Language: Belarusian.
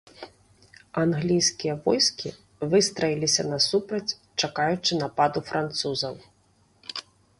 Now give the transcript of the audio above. Англійскія войскі выстраіліся насупраць, чакаючы нападу французаў.